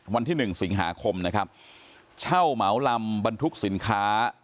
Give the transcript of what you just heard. วันที่หนึ่งสิงหาคมนะครับเช่าเหมาลำบรรทุกสินค้า